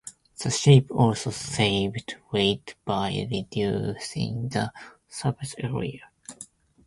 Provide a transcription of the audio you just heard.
The shape also saved weight by reducing the surface area.